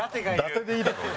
「伊達」でいいだろ！